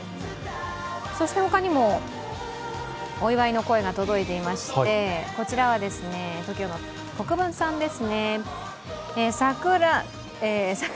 他にも、お祝いの声が届いていましてこちらはＴＯＫＩＯの国分さんです。